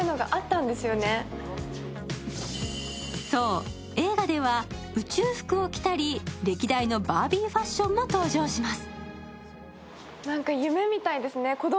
そう、映画では宇宙服を着たり歴代のバービーファッションも登場します。